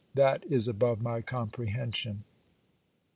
That is above my comprehension.